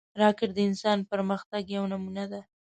راکټ د انسان پرمختګ یوه نمونه ده